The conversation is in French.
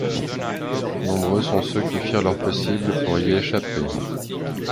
Nombreux sont ceux qui firent leur possible pour y échapper.